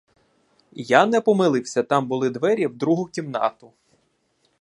Я не помилився: там були двері в другу кімнату.